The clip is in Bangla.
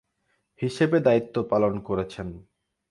হিসেবে দায়িত্ব পালন করেছেন।